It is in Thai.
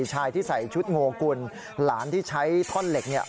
ชายที่ใส่ชุดโงกุลหลานที่ใช้ท่อนเหล็กเนี่ย